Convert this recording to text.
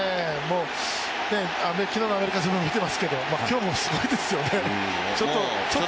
昨日のアメリカ戦も見ていますけど、今日もすごいですよね。